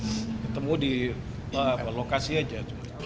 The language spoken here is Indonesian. sebelumnya tidak kenal ketemu di lokasi saja